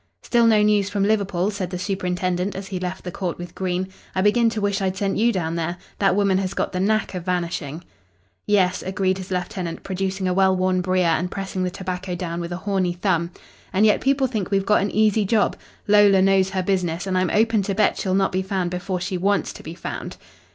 "Still no news from Liverpool," said the superintendent as he left the court with Green. "I begin to wish I'd sent you down there. That woman has got the knack of vanishing." "Yes," agreed his lieutenant, producing a well worn brier and pressing the tobacco down with a horny thumb. "And yet people think we've got an easy job. Lola knows her business, and I'm open to bet she'll not be found before she wants to be found."